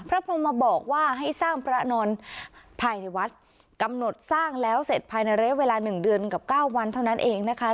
พระพรมมาบอกว่าให้สร้างพระนอนภายในวัดกำหนดสร้างแล้วเสร็จภายในระยะเวลาหนึ่งเดือนกับเก้าวันเท่านั้นเองนะคะ